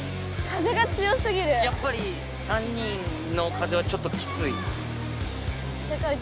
やっぱり３人の風はちょっときつい。